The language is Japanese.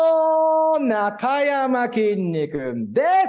なかやまきんに君です。